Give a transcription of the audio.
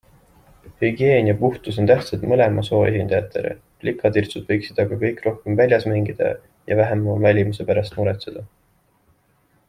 Hügieen ja puhtus on tähtsad mõlema soo esindajatele, plikatirtsud võiksid aga kõik rohkem väljas mängida ja vähem oma välimuse pärast muretseda.